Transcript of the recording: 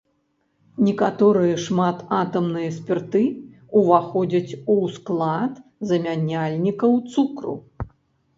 Некаторыя шмататамныя спірты ўваходзяць у склад замяняльнікаў цукру.